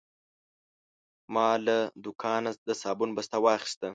ما له دوکانه د صابون بسته واخیسته.